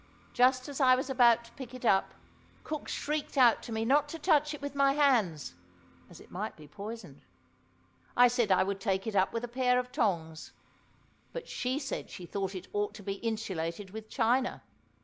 Just as I was about to pick it up, cook shrieked out to me not to touch it with my hands, as it might be poisoned. I said I would take it up with a pair of tongs; but she said she thought it ought to be insulated with china.